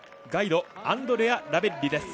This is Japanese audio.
ガイド、アンドレア・ラベッリ。